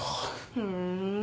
ふん。